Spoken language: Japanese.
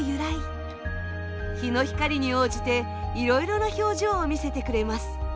日の光に応じていろいろな表情を見せてくれます。